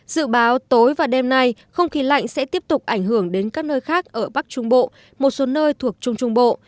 dự báo tối và đêm nay không khí lạnh sẽ tiếp tục ảnh hưởng đến các nơi khác ở bắc trung bộ một số nơi thuộc trung trung bộ